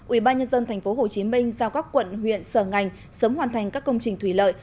ubnd tp hcm giao các quận huyện sở ngành sớm hoàn thành các công trình thủy lợi